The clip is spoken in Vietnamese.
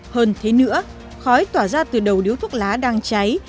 hơn thế nữa khói tỏa ra từ đầu điếu thuốc lá đang cháy